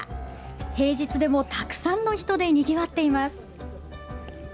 平日でも、たくさんの人でにぎわっています。